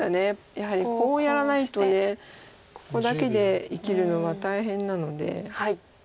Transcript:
やはりコウをやらないとここだけで生きるのは大変なので。